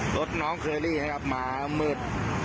รถน้องเคอรี่นะครับมามืด